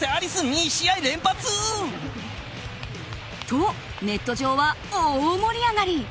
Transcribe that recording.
と、ネット上は大盛り上がり！